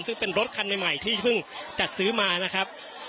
ซึ่งเป็นรถคันใหม่ที่เพิ่งจัดซื้อมานะครับ